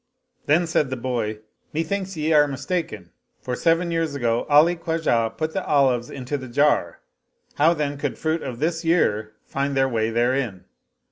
Then said the boy, " Methinks ye are mistaken, for seven years ago Ali Khwajah put the olives into the jar: how then could fruit of this year find their way therein?"